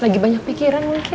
lagi banyak pikiran mungkin